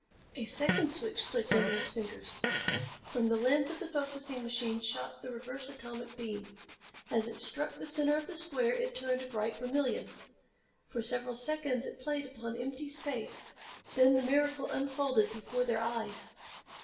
A second switch clicked under his fingers. From the lense of the focusing machine shot the reverse atomic beam. As it struck the center of the square it turned a bright vermilion. For several seconds it played upon empty space, then the miracle unfolded before their eyes.